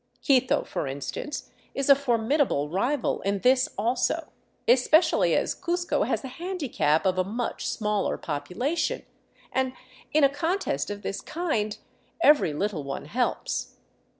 Quito, for instance, is a formidable rival in this also, especially as Cuzco has the handicap of a much smaller population — and in a contest of this kind every little one helps.